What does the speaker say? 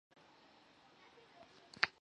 核心内涵应用技术